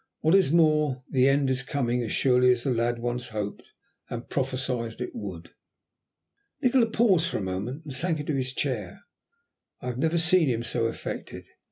What is more, the end is coming, as surely as the lad once hoped and prophesied it would." Nikola paused for a moment and sank into his chair. I had never seen him so affected.